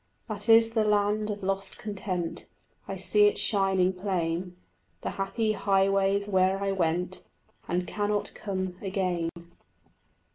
That is the land of lost content, I see it shining plain, The happy highways where I went And cannot come again.